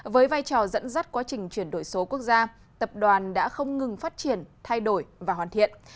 với vai trò dẫn dắt quá trình chuyển đổi số quốc gia tập đoàn đã không ngừng phát triển thay đổi và hoàn thiện